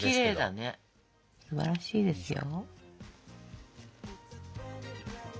すばらしいですよ。